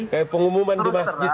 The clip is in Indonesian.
kayak pengumuman di masjid